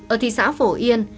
ở thị xã phổ yên